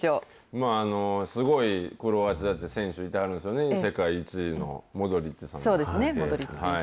まあ、すごいクロアチアって選手いてはるんですよね、世界１そうですね、モドリッチ選手。